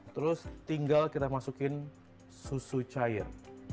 terus tinggal kita masukin susu cair